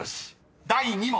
第２問］